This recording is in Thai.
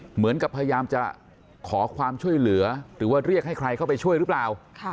เหมือนกับพยายามจะขอความช่วยเหลือหรือว่าเรียกให้ใครเข้าไปช่วยหรือเปล่า